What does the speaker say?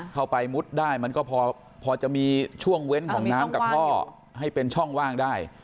เข้าไปมุดได้มันก็พอจะมีช่วงเว้นของน้ำกับท่อให้เป็นช่องว่างได้